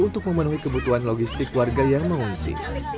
untuk memenuhi kebutuhan logistik warga yang mengungsi